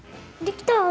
できた！